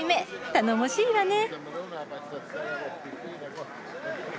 頼もしいわね。